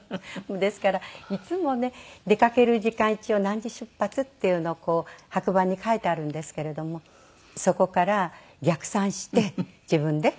ですからいつもね出かける時間一応何時出発っていうのを白板に書いてあるんですけれどもそこから逆算して自分で。